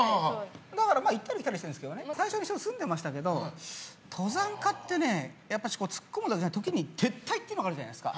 だから行ったり来たりしてるんですけどね最初、一緒に住んでましたけど登山家ってね突っ込むだけじゃなくて、時に撤退ってのがあるじゃないですか。